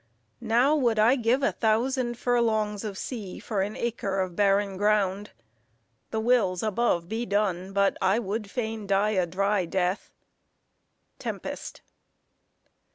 Now would I give a thousand furlongs of sea for an acre of barren ground. The wills above be done! but I would fain die a dry death. TEMPEST.